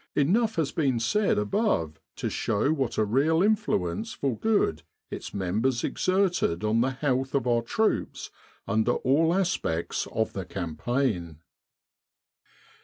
Enough has been said above to show what a real influence for good its members exerted on the health of our troops under all aspects of the campaign.